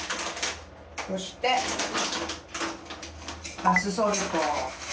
そしてバスソルト。